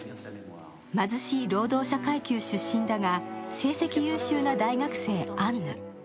貧しい労働者階級出身だが成績優秀な大学生・アンヌ。